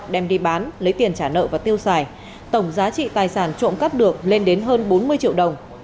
đem đi bán lấy tiền trả nợ và tiêu xài tổng giá trị tài sản trộm cắp được lên đến hơn bốn mươi triệu đồng